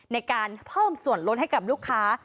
ในการเพิ่มส่วนลดให้กับลูกค้า